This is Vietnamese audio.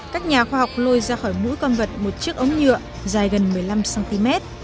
các nhà khoa học lôi ra khỏi mũi con vật một chiếc ống nhựa dài gần một mươi năm cm